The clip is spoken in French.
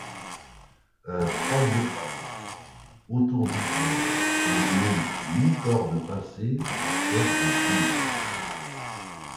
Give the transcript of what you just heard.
Un troisième bâton, autour duquel sont nouées huit cordes pincées, sert de joug.